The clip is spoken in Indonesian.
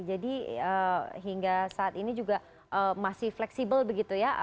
jadi hingga saat ini juga masih fleksibel begitu ya